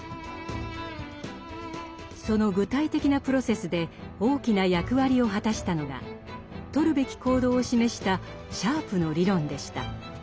その具体的なプロセスで大きな役割を果たしたのがとるべき行動を示したシャープの理論でした。